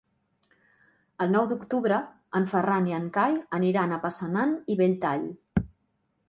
El nou d'octubre en Ferran i en Cai aniran a Passanant i Belltall.